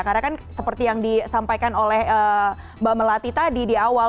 karena kan seperti yang disampaikan oleh mbak melati tadi di awal